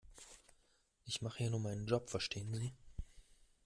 Ich mache hier nur meinen Job, verstehen Sie?